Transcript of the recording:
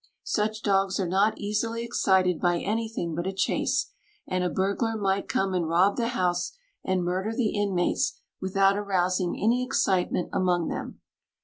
Such dogs are not easily excited by anything but a chase, and a burglar might come and rob the house and murder the inmates without arousing any excitement among them.